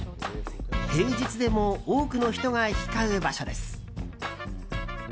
平日でも多くの人が行き交う場所です。